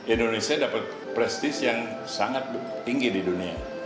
indonesia dapat prestis yang sangat tinggi di dunia